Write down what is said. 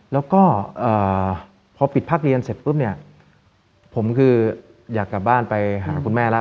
แล้วก็พอปิดพักเรียนเสร็จปุ๊บเนี่ยผมคืออยากกลับบ้านไปหาคุณแม่แล้ว